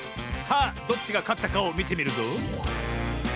さあどっちがかったかをみてみるぞ。